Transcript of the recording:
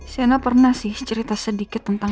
sena pernah sih cerita sedikit tentang